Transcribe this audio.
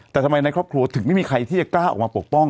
แต่ทำไมในครอบครัวถึงไม่มีใครที่จะกล้าออกมาปกป้อง